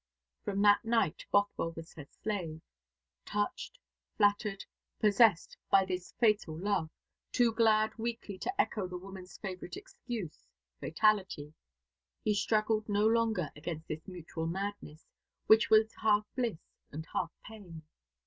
From that night Bothwell was her slave. Touched, flattered, possessed by this fatal love too glad weakly to echo the woman's favourite excuse, Fatality he struggled no longer against this mutual madness, which was half bliss and half pain.